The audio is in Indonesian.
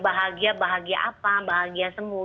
bahagia bahagia apa bahagia semua